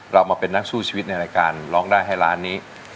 เรามาเป็นนักสู้ชีวิตในรายการร้องได้ให้ล้านนี้